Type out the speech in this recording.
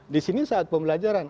di sini saat pembelajaran